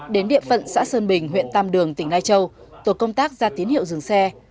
đến địa phận xã sơn bình huyện tam đường tỉnh lai châu tổ công tác ra tín hiệu dừng xe